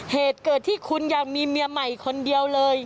เหตุเกิดที่คุณอยากมีเมียใหม่คนเดียวเลย